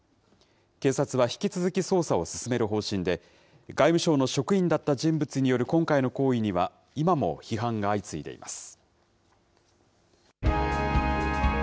警察は引き続き捜査を進める方針で、外務省の職員だった人物による今回の行為には、今も批判が相次いでいます。